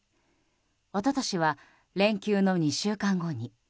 一昨年は連休の２週間後に。